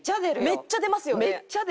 めっちゃ出ますよね。